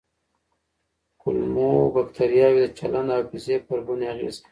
کولمو بکتریاوې د چلند او حافظې پر بڼې اغېز کوي.